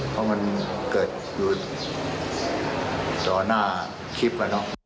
เพราะมันเกิดอยู่ต่อหน้าคลิป